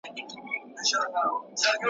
شیخه مستي مي له خُماره سره نه جوړیږي ,